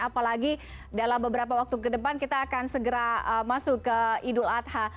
apalagi dalam beberapa waktu ke depan kita akan segera masuk ke idul adha